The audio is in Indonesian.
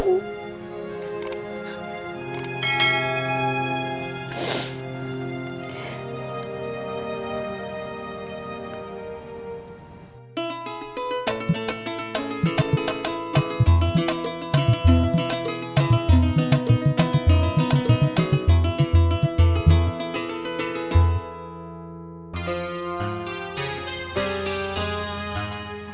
harus berubah bu